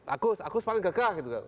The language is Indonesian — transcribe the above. agus agus paling gagah gitu